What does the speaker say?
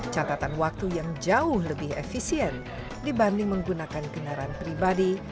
catatan waktu yang jauh lebih efisien dibanding menggunakan kendaraan pribadi